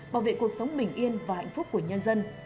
bảo vệ cuộc sống bình yên và hạnh phúc của nhân dân